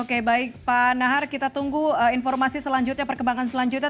oke baik pak nahar kita tunggu informasi selanjutnya perkembangan selanjutnya